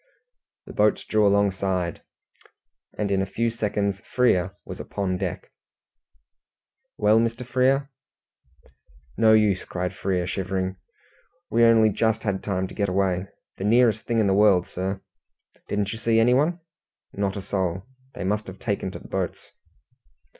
The boats drew alongside, and in a few seconds Frere was upon deck. "Well, Mr. Frere?" "No use," cried Frere, shivering. "We only just had time to get away. The nearest thing in the world, sir." "Didn't you see anyone?" "Not a soul. They must have taken to the boats."